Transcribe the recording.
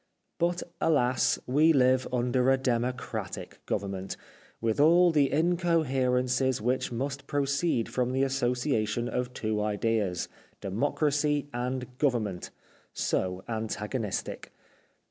But alas, we live under a democratic government, with all the incoherences which must proceed from the association of two ideas — democracy and govern ment— so antagonistic.